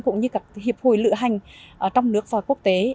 cũng như các hiệp hội lựa hành trong nước và quốc tế